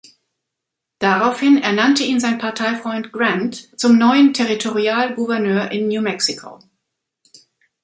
Daraufhin ernannte ihn sein Parteifreund Grant zum neuen Territorialgouverneur in New Mexico.